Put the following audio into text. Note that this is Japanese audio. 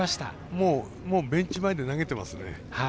もうベンチ前で投げてますね。